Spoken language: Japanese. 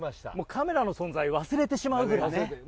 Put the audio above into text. カメラの存在忘れてしまうくらいでしたね。